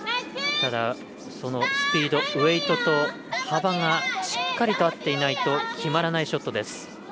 そのスピードウエイトと幅がしっかりと合っていないと決まらないショットです。